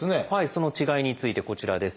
その違いについてこちらです。